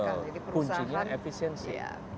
betul kuncinya efisiensi